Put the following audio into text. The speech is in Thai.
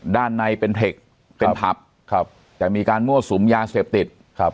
ด้านในเป็นเผ็กเป็นผับจะมีการมั่วสุ้มยาเสพติด